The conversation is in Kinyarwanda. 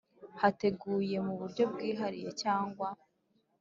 Hateguye mu buryo bwihariye cyangwa